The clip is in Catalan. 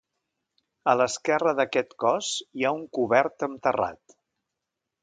A l'esquerra d'aquest cos hi ha un cobert amb terrat.